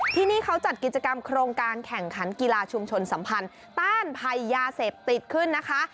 ที่นี่เขาจัดกิจกรรมโครงการแข่งขันกีฬาชุมชนสัมพันธ์ต้านภัยยาเสพติดขึ้นนะคะ